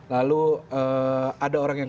lalu ada orang yang